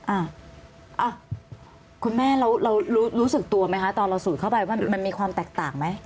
อ่ะคุณแม่เรารู้สึกตัวไหมคะตอนเราสูดเข้าไปว่ามันมีความแตกต่างไหม